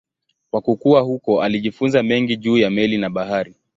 Kwa kukua huko alijifunza mengi juu ya meli na bahari.